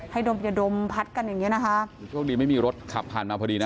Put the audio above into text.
ดมอย่าดมพัดกันอย่างเงี้นะคะคือโชคดีไม่มีรถขับผ่านมาพอดีนะ